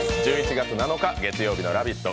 １１月７日月曜日の「ラヴィット！」